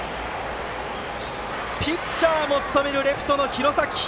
ピッチャーも務めるレフトの廣崎。